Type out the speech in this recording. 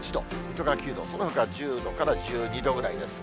水戸が９度、そのほか、１０度から１２度ぐらいです。